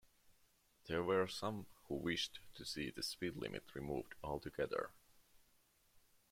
There were some who wished to see the speed limit removed altogether.